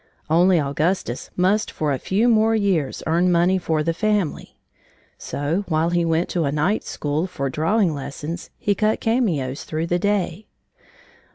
Only Augustus must for a few more years earn money for the family. So while he went to a night school for drawing lessons, he cut cameos through the day.